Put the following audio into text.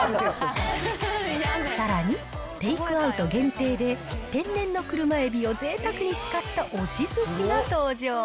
さらに、テイクアウト限定で、天然の車海老をぜいたくに使った押し寿司が登場。